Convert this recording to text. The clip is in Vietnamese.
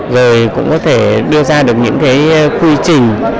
rồi cũng có thể đưa ra được những cái quy trình